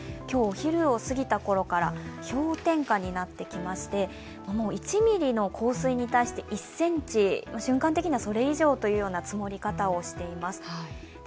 今日お昼を過ぎたころから氷点下になってきまして、もう１ミリの降水に対して１ｃｍ、それ以上の積もり方をしています。